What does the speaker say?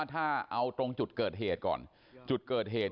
ตอนนี้กำลังจะโดดเนี่ยตอนนี้กำลังจะโดดเนี่ย